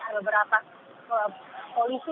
ada beberapa polisi